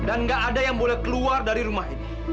dan gak ada yang boleh keluar dari rumah ini